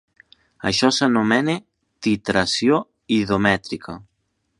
Això s'anomena titració iodomètrica.